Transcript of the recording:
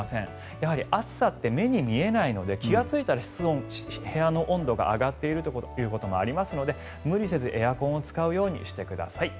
やはり暑さって目に見えないので気がついたら室温が上がっているということもありますので無理せずエアコンを使うようにしてください。